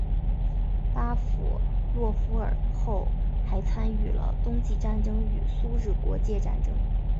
巴甫洛夫尔后还参与了冬季战争与苏日国界战争。